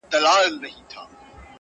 افغانستان لومړی هيواد وو